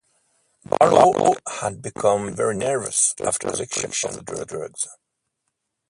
Barlow had become very nervous after the collection of the drugs.